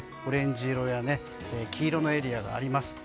オレンジ色や黄色のエリアがあります。